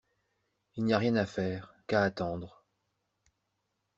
Il n’y a rien à faire, qu’à attendre.